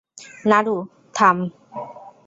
নারু, থাম!